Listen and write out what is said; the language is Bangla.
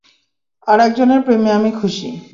আর একজনের প্রেমে আমি খুশি।